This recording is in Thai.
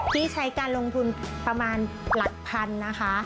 ที่ใช้การลงทุนประมาณหลักพันนะคะ